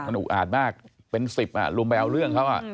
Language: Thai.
มันอุกอาดมากเป็นสิบอ่ะรวมไปเอาเรื่องเขาอ่ะ